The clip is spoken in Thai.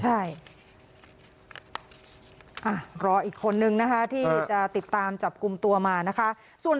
ใช่รออีกคนนึงนะคะที่จะติดตามจับกลุ่มตัวมานะคะ